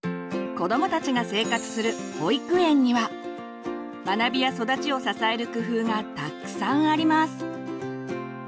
子どもたちが生活する保育園には学びや育ちを支える工夫がたくさんあります。